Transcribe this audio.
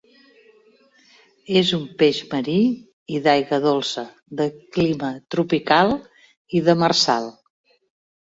És un peix marí i d'aigua dolça, de clima tropical i demersal.